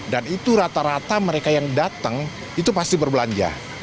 dan itu rata rata mereka yang datang itu pasti berbelanja